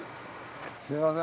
すみません。